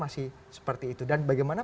masih seperti itu dan bagaimana